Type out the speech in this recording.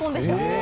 え！